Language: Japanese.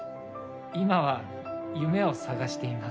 今は夢を探しています。